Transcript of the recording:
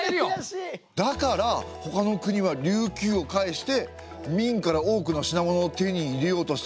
だからほかの国は琉球をかいして明から多くの品物を手に入れようとしたってことですね！